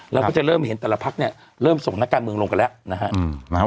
เราก็จะเริ่มเห็นแต่ละพักเนี่ยเริ่มส่งนักการเมืองลงกันแล้วนะครับ